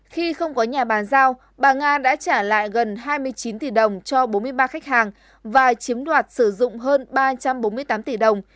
khi không có nhà bàn giao bà nga đã trả lại gần hai mươi chín tỷ đồng cho bốn mươi ba khách hàng và chiếm đoạt sử dụng hơn ba trăm bốn mươi tám tỷ đồng